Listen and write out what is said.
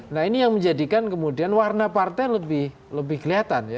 nah ini yang menjadikan kemudian warna partai lebih kelihatan ya